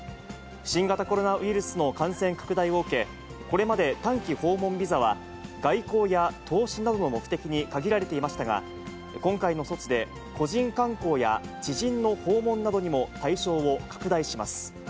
新型コロナウイルスの感染拡大を受け、これまで短期訪問ビザは、外交や投資などの目的に限られていましたが、今回の措置で、個人観光や知人の訪問などにも対象を拡大します。